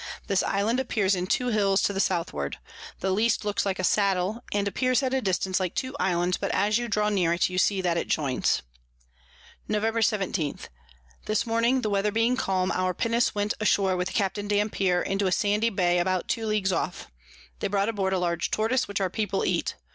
This Island appears in two Hills to the Southward: The least looks like a Saddle, and appears at a distance like two Islands, but as you draw near it, you see that it joins. Nov. 17. This Morning, the Weather being calm, our Pinnace went ashore with Capt. Dampier into a sandy Bay about two Leagues off; they brought aboard a large Tortoise which our People eat.